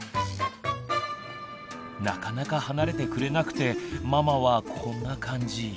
なかなか離れてくれなくてママはこんな感じ。